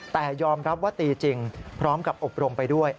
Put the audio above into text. แต่ยอมรับว่าตีจริงพร้อมกับอบรมไปด้วย